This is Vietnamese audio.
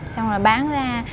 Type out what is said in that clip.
xong rồi bán ra